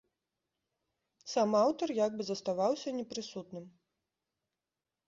Сам аўтар як бы заставаўся непрысутным.